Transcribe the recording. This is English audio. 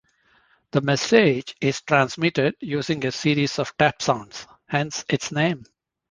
The message is transmitted using a series of tap sounds, hence its name.